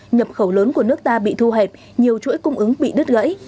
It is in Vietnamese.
nhập khẩu lớn của nước ta bị thu hẹp nhiều chuỗi cung ứng bị đứt gãy